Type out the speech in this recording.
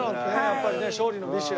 やっぱりね勝利の美酒。